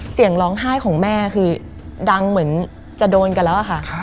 เสียงร้องไห้ของแม่คือดังเหมือนจะโดนกันแล้วอะค่ะ